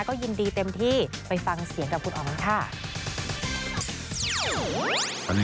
ก็ยินดีเต็มที่ไปฟังเสียงกับคุณอ๋อมกันค่ะ